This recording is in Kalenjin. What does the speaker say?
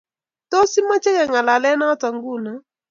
Tos, imache kengalale noto nguno?